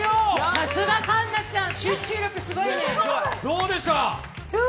さすが環奈ちゃん、集中力すごいね。